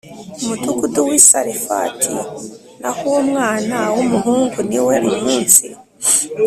mudugudu w i Sarefati naho uwo mwana w umuhungu ni uwe Umunsi